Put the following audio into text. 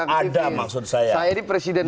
aktivis saya ini presiden